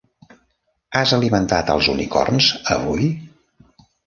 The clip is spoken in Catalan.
Has alimentat als unicorns avui?